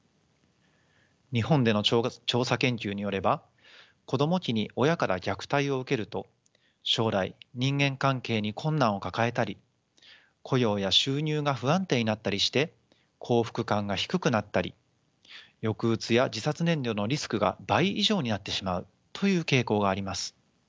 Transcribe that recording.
日本での調査研究によれば子ども期に親から虐待を受けると将来人間関係に困難を抱えたり雇用や収入が不安定になったりして幸福感が低くなったり抑うつや自殺念慮のリスクが倍以上になってしまうという傾向があります。